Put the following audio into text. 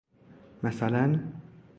مثلاً